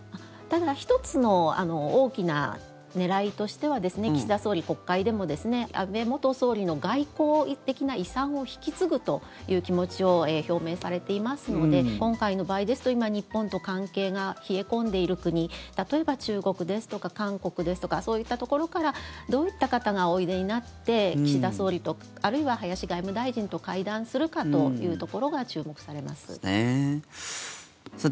ただ１つの大きな狙いとしては岸田総理、国会でも安倍元総理の外交的な遺産を引き継ぐという気持ちを表明されていますので今回の場合ですと、今日本と関係が冷え込んでいる国例えば、中国ですとか韓国ですとかそういったところからどういった方がおいでになって岸田総理とあるいは林外務大臣と会談するかというところが注目されます。